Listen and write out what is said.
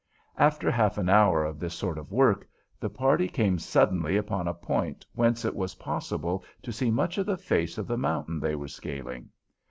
After half an hour of this sort of work, the party came suddenly upon a point whence it was possible to see much of the face of the mountain they were scaling.